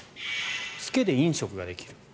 付けで飲食ができる。